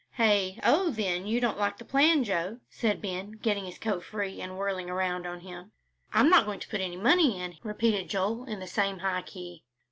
"Hey? Oh, then, you don't like the plan, Joe?" said Ben, getting his coat free and whirling around on him. "I'm not going to put any money in," repeated Joel, in the same high key.